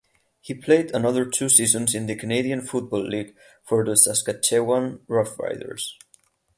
He played another two seasons in the Canadian Football League for the Saskatchewan Roughriders.